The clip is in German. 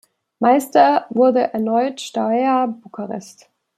Meister wurde erneut Steaua Bukarest.